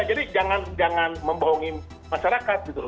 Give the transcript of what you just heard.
jadi jangan membohongi masyarakat gitu loh